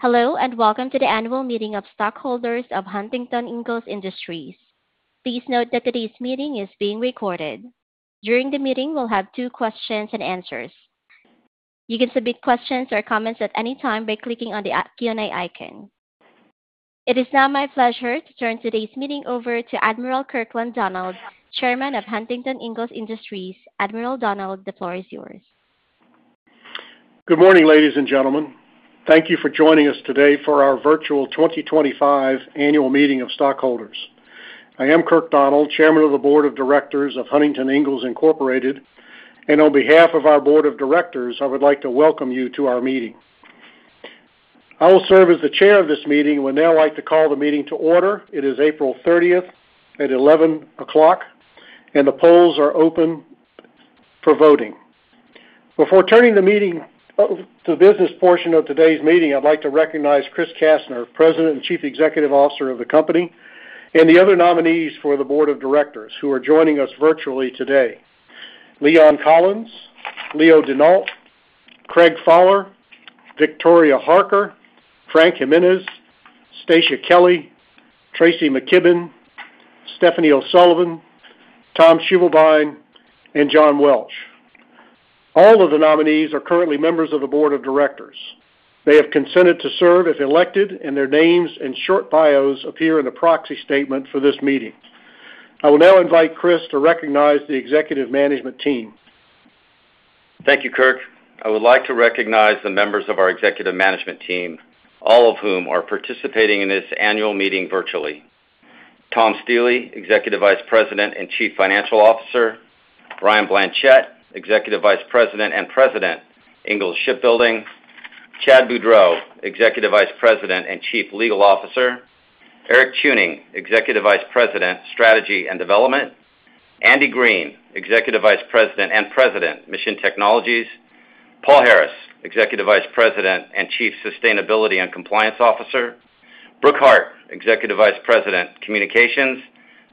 Hello and welcome to the annual meeting of stockholders of Huntington Ingalls Industries. Please note that today's meeting is being recorded. During the meeting, we'll have two questions and answers. You can submit questions or comments at any time by clicking on the Q&A icon. It is now my pleasure to turn today's meeting over to Admiral Kirkland Donald, Chairman of Huntington Ingalls Industries. Admiral Donald, the floor is yours. Good morning, ladies and gentlemen. Thank you for joining us today for our virtual 2025 annual meeting of stockholders. I am Kirkland Donald, Chairman of the Board of Directors of Huntington Ingalls Industries, and on behalf of our Board of Directors, I would like to welcome you to our meeting. I will serve as the chair of this meeting. I would now like to call the meeting to order. It is April 30th at 11:00 A.M., and the polls are open for voting. Before turning the meeting to the business portion of today's meeting, I'd like to recognize Chris Kastner, President and Chief Executive Officer of the company, and the other nominees for the Board of Directors who are joining us virtually today: Leon Collins, Leo Denault, Craig Faller, Victoria Harker, Frank Jimenez, Stacia Kelly, Tracy McKibben, Stephanie O'Sullivan, Tom Schievelbein, and John Welch. All of the nominees are currently members of the Board of Directors. They have consented to serve if elected, and their names and short bios appear in the proxy statement for this meeting. I will now invite Chris to recognize the executive management team. Thank you, Kirk. I would like to recognize the members of our executive management team, all of whom are participating in this annual meeting virtually: Tom Stiehle, Executive Vice President and Chief Financial Officer; Brian Blanchette, Executive Vice President and President, Ingalls Shipbuilding; Chad Boudreaux, Executive Vice President and Chief Legal Officer; Eric Chewning, Executive Vice President, Strategy and Development; Andy Green, Executive Vice President and President, Mission Technologies; Paul Harris, Executive Vice President and Chief Sustainability and Compliance Officer; Brooke Hart, Executive Vice President, Communications;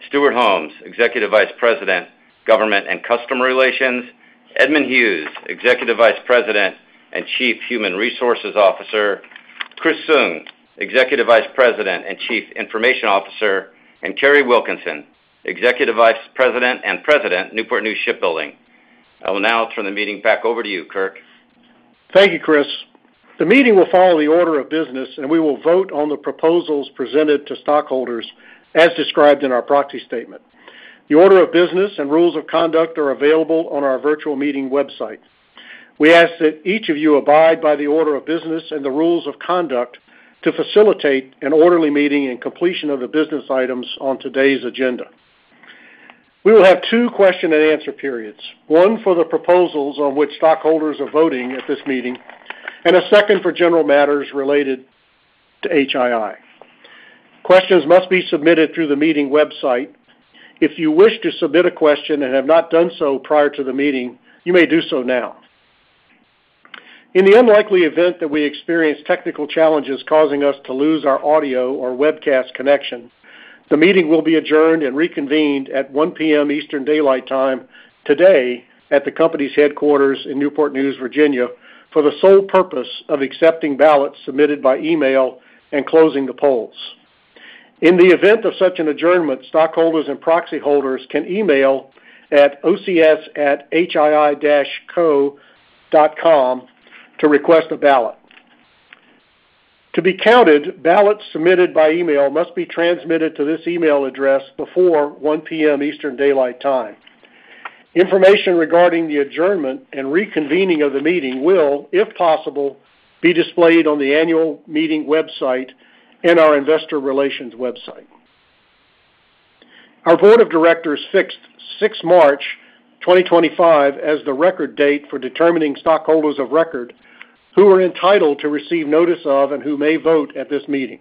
Stewart Holmes, Executive Vice President, Government and Customer Relations; Edmond Hughes, Executive Vice President and Chief Human Resources Officer; Chris Soong, Executive Vice President and Chief Information Officer; and Kari Wilkinson, Executive Vice President and President, Newport News Shipbuilding. I will now turn the meeting back over to you, Kirk. Thank you, Chris. The meeting will follow the order of business, and we will vote on the proposals presented to stockholders as described in our proxy statement. The order of business and rules of conduct are available on our virtual meeting website. We ask that each of you abide by the order of business and the rules of conduct to facilitate an orderly meeting and completion of the business items on today's agenda. We will have two question-and-answer periods: one for the proposals on which stockholders are voting at this meeting, and a second for general matters related to HII. Questions must be submitted through the meeting website. If you wish to submit a question and have not done so prior to the meeting, you may do so now. In the unlikely event that we experience technical challenges causing us to lose our audio or webcast connection, the meeting will be adjourned and reconvened at 1:00 P.M. Eastern Daylight Time today at the company's headquarters in Newport News, Virginia, for the sole purpose of accepting ballots submitted by email and closing the polls. In the event of such an adjournment, stockholders and proxy holders can email at ocs@hiico.com to request a ballot. To be counted, ballots submitted by email must be transmitted to this email address before 1:00 P.M. Eastern Daylight Time. Information regarding the adjournment and reconvening of the meeting will, if possible, be displayed on the annual meeting website and our investor relations website. Our Board of Directors fixed March 6, 2025 as the record date for determining stockholders of record who are entitled to receive notice of and who may vote at this meeting.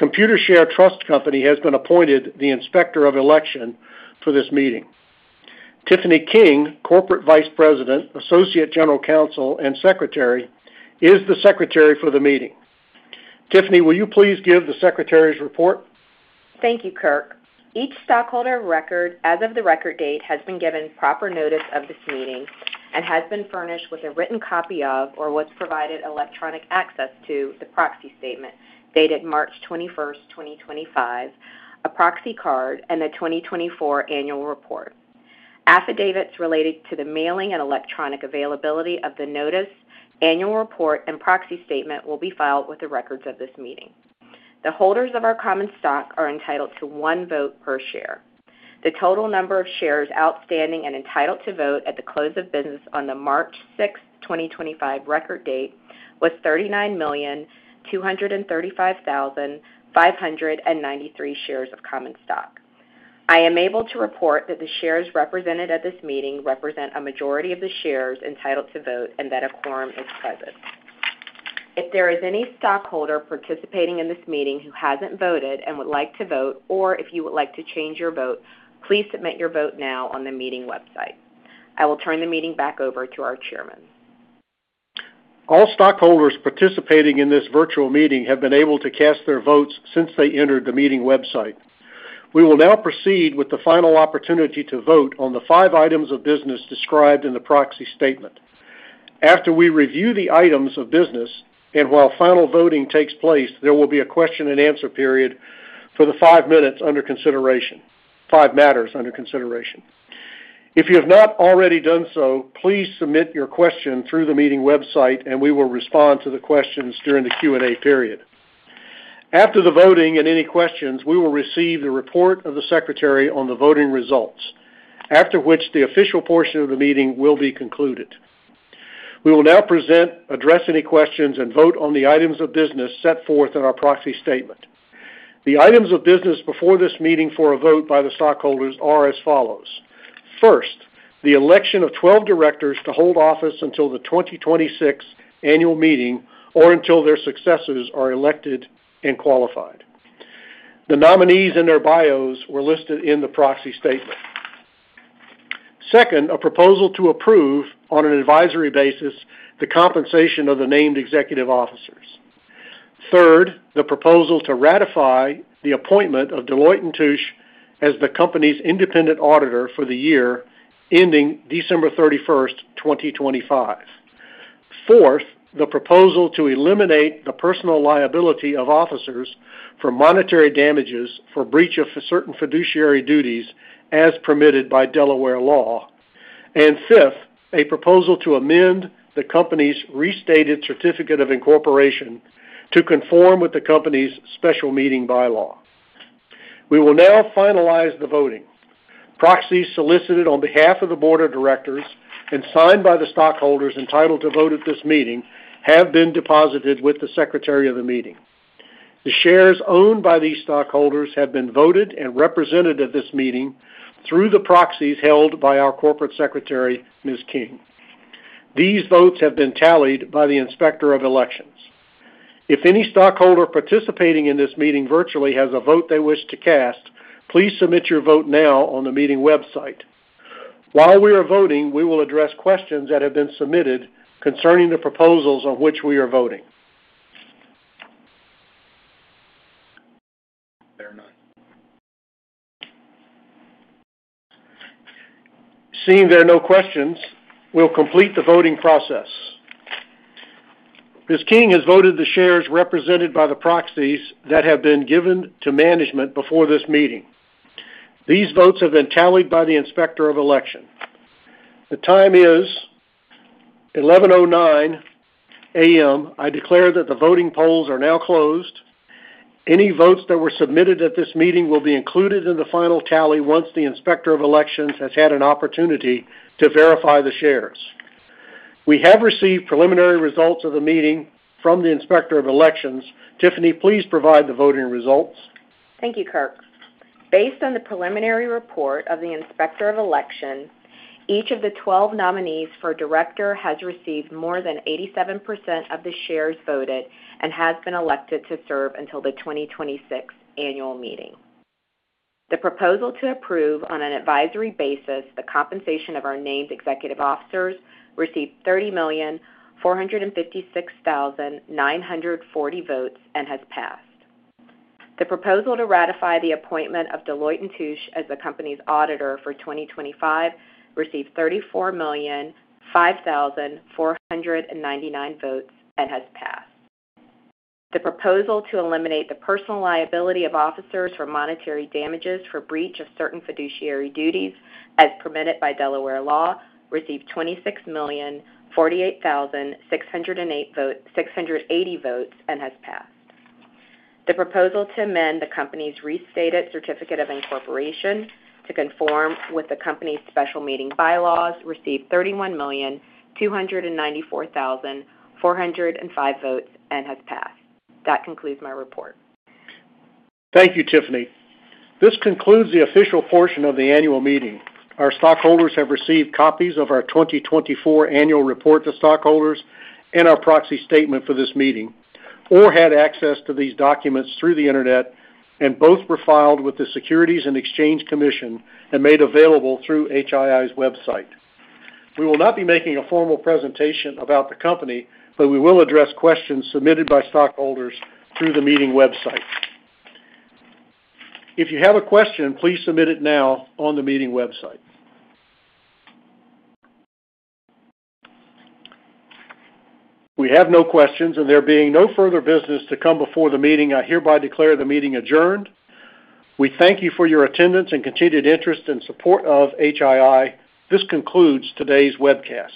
Computershare Trust Company has been appointed the inspector of election for this meeting. Tiffany King, Corporate Vice President, Associate General Counsel, and Secretary, is the secretary for the meeting. Tiffany, will you please give the secretary's report? Thank you, Kirk. Each stockholder of record, as of the record date, has been given proper notice of this meeting and has been furnished with a written copy of, or was provided electronic access to, the proxy statement dated March 21, 2025, a proxy card, and the 2024 annual report. Affidavits related to the mailing and electronic availability of the notice, annual report, and proxy statement will be filed with the records of this meeting. The holders of our common stock are entitled to one vote per share. The total number of shares outstanding and entitled to vote at the close of business on the March 6, 2025, record date was 39,235,593 shares of common stock. I am able to report that the shares represented at this meeting represent a majority of the shares entitled to vote and that a quorum is present. If there is any stockholder participating in this meeting who hasn't voted and would like to vote, or if you would like to change your vote, please submit your vote now on the meeting website. I will turn the meeting back over to our Chairman. All stockholders participating in this virtual meeting have been able to cast their votes since they entered the meeting website. We will now proceed with the final opportunity to vote on the five items of business described in the proxy statement. After we review the items of business and while final voting takes place, there will be a question-and-answer period for the five matters under consideration. If you have not already done so, please submit your question through the meeting website, and we will respond to the questions during the Q&A period. After the voting and any questions, we will receive the report of the secretary on the voting results, after which the official portion of the meeting will be concluded. We will now present, address any questions, and vote on the items of business set forth in our proxy statement. The items of business before this meeting for a vote by the stockholders are as follows: first, the election of 12 directors to hold office until the 2026 annual meeting or until their successors are elected and qualified. The nominees and their bios were listed in the proxy statement. Second, a proposal to approve on an advisory basis the compensation of the named executive officers. Third, the proposal to ratify the appointment of Deloitte & Touche as the company's independent auditor for the year ending December 31, 2025. Fourth, the proposal to eliminate the personal liability of officers for monetary damages for breach of certain fiduciary duties as permitted by Delaware law. Fifth, a proposal to amend the company's restated certificate of incorporation to conform with the company's special meeting bylaw. We will now finalize the voting. Proxies solicited on behalf of the Board of Directors and signed by the stockholders entitled to vote at this meeting have been deposited with the secretary of the meeting. The shares owned by these stockholders have been voted and represented at this meeting through the proxies held by our Corporate Secretary, Ms. King. These votes have been tallied by the inspector of elections. If any stockholder participating in this meeting virtually has a vote they wish to cast, please submit your vote now on the meeting website. While we are voting, we will address questions that have been submitted concerning the proposals on which we are voting. Seeing there are no questions, we'll complete the voting process. Ms. King has voted the shares represented by the proxies that have been given to management before this meeting. These votes have been tallied by the inspector of election. The time is 11:09 A.M. I declare that the voting polls are now closed. Any votes that were submitted at this meeting will be included in the final tally once the inspector of elections has had an opportunity to verify the shares. We have received preliminary results of the meeting from the inspector of elections. Tiffany, please provide the voting results. Thank you, Kirk. Based on the preliminary report of the inspector of election, each of the 12 nominees for director has received more than 87% of the shares voted and has been elected to serve until the 2026 annual meeting. The proposal to approve on an advisory basis the compensation of our named executive officers received 30,456,940 votes and has passed. The proposal to ratify the appointment of Deloitte & Touche as the company's auditor for 2025 received 34,005,499 votes and has passed. The proposal to eliminate the personal liability of officers for monetary damages for breach of certain fiduciary duties as permitted by Delaware law received 26,048,680 votes and has passed. The proposal to amend the company's restated certificate of incorporation to conform with the company's special meeting bylaws received 31,294,405 votes and has passed. That concludes my report. Thank you, Tiffany. This concludes the official portion of the annual meeting. Our stockholders have received copies of our 2024 annual report to stockholders and our proxy statement for this meeting, or had access to these documents through the internet, and both were filed with the Securities and Exchange Commission and made available through HII's website. We will not be making a formal presentation about the company, but we will address questions submitted by stockholders through the meeting website. If you have a question, please submit it now on the meeting website. We have no questions, and there being no further business to come before the meeting, I hereby declare the meeting adjourned. We thank you for your attendance and continued interest and support of HII. This concludes today's webcast.